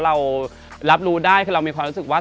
เรารับรู้ได้คือเรามีความรู้สึกว่า